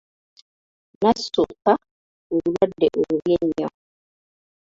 Nassuuka obulwadde obubi ennyo .